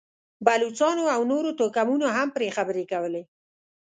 بلوڅانو او نورو توکمونو هم پرې خبرې کولې.